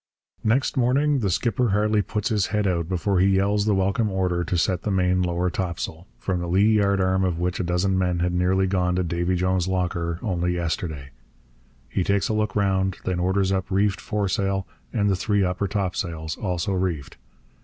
Next morning the skipper hardly puts his head out before he yells the welcome order to set the main lower topsail from the lee yardarm of which a dozen men had nearly gone to Davy Jones's locker only yesterday. He takes a look round; then orders up reefed foresail and the three upper topsails, also reefed.